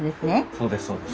そうですそうです。